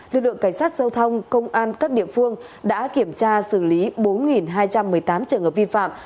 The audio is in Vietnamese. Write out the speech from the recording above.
lực lượng cảnh sát giao thông công an các địa phương đã kiểm tra xử lý bốn hai trăm một mươi tám trường hợp vi phạm